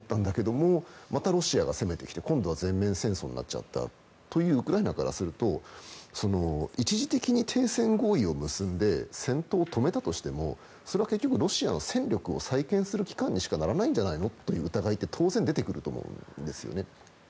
それから７年は持ったんだけどもまたロシアが攻めてきて、今度は全面戦争になっちゃったというウクライナからすると一時的に停戦合意を結んで戦闘を止めたとしてもそれは結局ロシアの戦力を再建する期間にしかならないんじゃないのという疑いは当然出てくると思うんですよね。